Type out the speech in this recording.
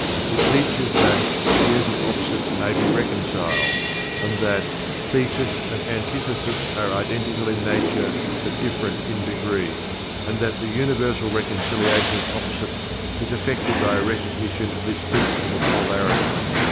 It teaches that "the pairs of opposites may be reconciled," and that "thesis and anti thesis are identical in nature, but different in degree"; and that the "universal reconciliation of opposites" is effected by a recognition of this Principle of Polarity.